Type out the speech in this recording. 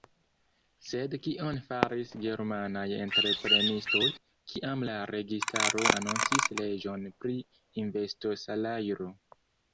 Sed kion faris germanaj entreprenistoj, kiam la registaro anoncis leĝon pri investosalajro?